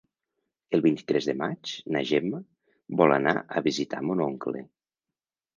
El vint-i-tres de maig na Gemma vol anar a visitar mon oncle.